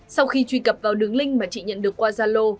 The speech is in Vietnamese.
sau khi truy cập vào đường link mà chị nhận được qua gia lô